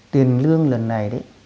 tiền lương lần này đấy